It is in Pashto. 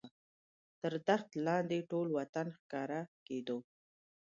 تر دښت لاندې ټول وطن ښکاره کېدو.